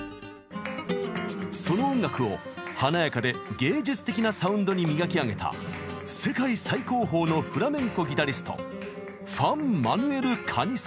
その音楽を華やかで芸術的なサウンドに磨き上げた世界最高峰のフラメンコギタリスト